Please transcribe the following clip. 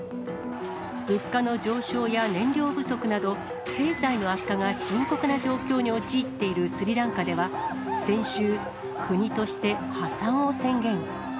物価の上昇や燃料不足など、経済の悪化が深刻な状況に陥っているスリランカでは、先週、国として破産を宣言。